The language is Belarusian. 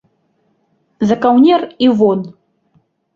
За каўнер і вон.